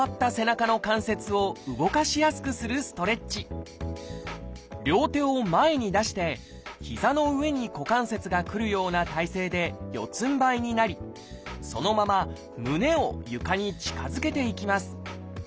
最初は固まった両手を前に出して膝の上に股関節がくるような体勢で四つんばいになりそのまま胸を床に近づけていきます。